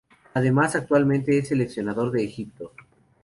Además, actualmente es seleccionador de Egipto.